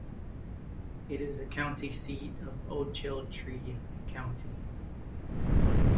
It is the county seat of Ochiltree County.